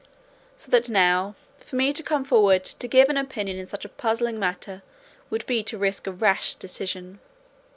So that now, for me to come forward to give an opinion in such a puzzling matter, would be to risk a rash decision.